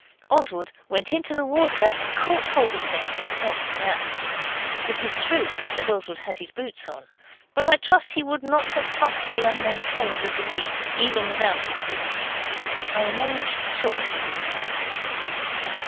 Oswald went into the water and caught hold of him and helped him out. It is true that Oswald had his boots on, but I trust he would not have funked the unknown terrors of the deep, even without his boots, I am almost sure he would not have.